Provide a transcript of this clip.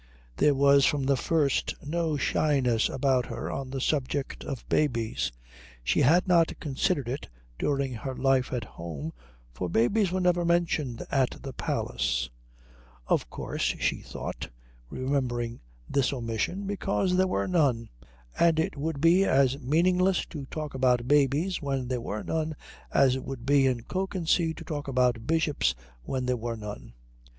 There was from the first no shyness about her on the subject of babies. She had not considered it during her life at home, for babies were never mentioned at the Palace of course, she thought, remembering this omission, because there were none, and it would be as meaningless to talk about babies when there were none as it would be in Kökensee to talk about bishops when there were none.